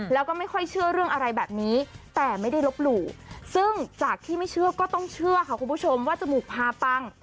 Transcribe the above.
แล้วก็ไม่ค่อยเชื่อเรื่องอะไรแบบนี้แต่ไม่ได้ลบหลู่ซึ่งจากที่ไม่เชื่อก็ต้องเชื่อค่ะคุณผู้ชมว่าจมูกพาปัง